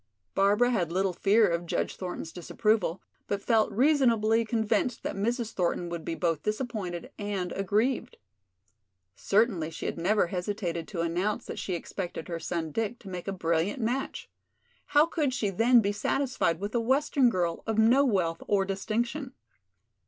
Barbara had little fear of Judge Thornton's disapproval, but felt reasonably convinced that Mrs. Thornton would be both disappointed and aggrieved. Certainly she had never hesitated to announce that she expected her son Dick to make a brilliant match. How could she then be satisfied with a western girl of no wealth or distinction?